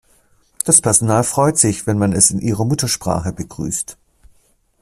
Das Personal freut sich, wenn man es in ihrer Muttersprache begrüßt.